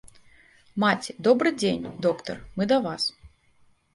Маці добры дзень, доктар мы да вас.